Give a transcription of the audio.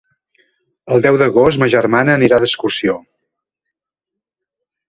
El deu d'agost ma germana anirà d'excursió.